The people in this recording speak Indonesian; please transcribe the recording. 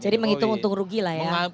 jadi menghitung untung rugi lah ya